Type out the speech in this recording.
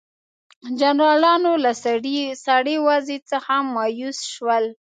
جنرالانو له سړې وضع څخه مایوس شول.